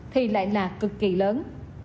thì lại là cực kỳ lớn